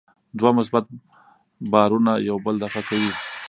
دوه مثبت بارونه یو بل دفع کوي.